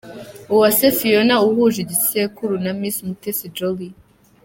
Uwase Fiona uhuje igisekuru na Miss Mutesi Jolly.